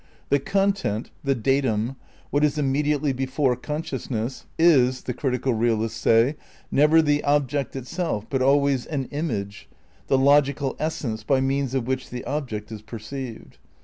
The content, the '' datum, '' what is immediately before con sciousness, is, the critical realists say, never the ob ject itself, but always an "image," the logical essence" by means of which the object is perceived.